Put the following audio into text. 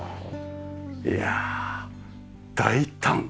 いや大胆。